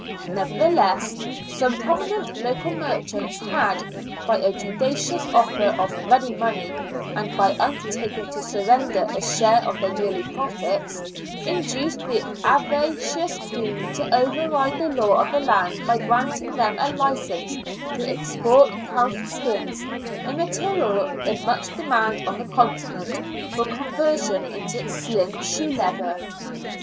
Nevertheless, some prominent local merchants had, by a judicious offer of ready money and by under taking to surrender a share of their yearly profits, induced the avaricious Queen to override the law of the land by granting them a licence to export calf skins, a material in much demand on the Continent for conversion into slim shoe leather.